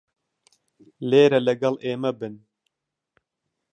لێرە لەگەڵ ئێمە بن.